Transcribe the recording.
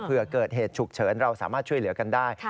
เกิดเหตุฉุกเฉินเราสามารถช่วยเหลือกันได้